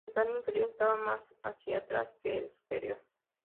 El plano inferior estaba más hacia atrás que el superior.